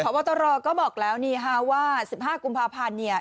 พบตรก็บอกแล้วนี่ค่ะว่า๑๕กุมภาพันธ์เนี่ย